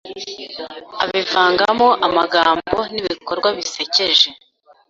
abivangamo amagambo n’ibikorwa bisekeje